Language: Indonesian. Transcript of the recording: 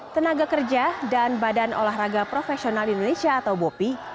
tenaga kerja dan badan olahraga profesional di indonesia atau bopi